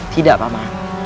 tidak pak ma